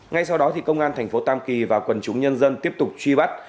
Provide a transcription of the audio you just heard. ngay sau đó công an tp tam kỳ và quần chúng nhân dân tiếp tục truy bắt